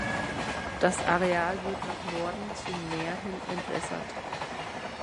Das Areal wird nach Norden zum Meer hin entwässert.